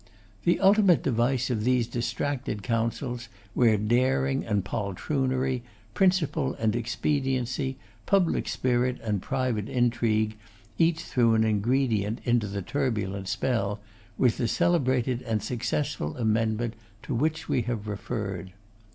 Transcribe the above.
The ultimate device of these distracted counsels, where daring and poltroonery, principle and expediency, public spirit and private intrigue, each threw an ingredient into the turbulent spell, was the celebrated and successful amendment to which we have referred.